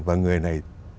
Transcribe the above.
và người này